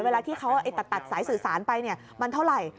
เวลาที่เขาตัดสายสื่อสารไปมันเท่าไหร่